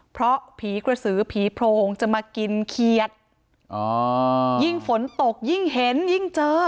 เพราะผีกระสือผีโพรงจะมากินเขียดอ๋อยิ่งฝนตกยิ่งเห็นยิ่งเจอ